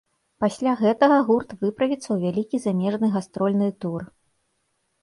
Пасля гэтага гурт выправіцца ў вялікі замежны гастрольны тур.